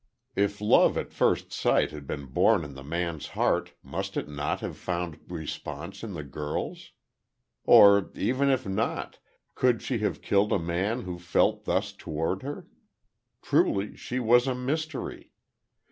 If love at first sight had been born in the man's heart, must it not have found response in the girl's? Or, even if not, could she have killed a man who felt thus toward her? Truly she was a mystery.